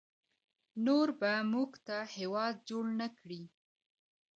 نور به موږ ته هیواد جوړ نکړي